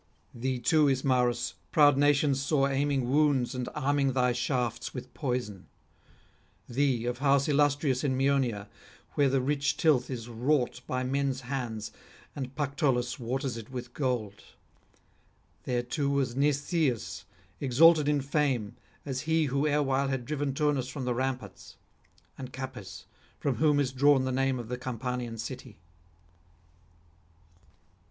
Thee, too, Ismarus, proud nations saw aiming wounds and arming thy shafts with poison, thee, of house illustrious in Maeonia, where the rich tilth is wrought by men's hands, and Pactolus waters it with gold. There too was Mnestheus, exalted in fame as he who erewhile had driven Turnus from the ramparts; and Capys, from whom is drawn the name of the Campanian city.